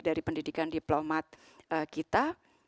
dari pendidikan diplomat kita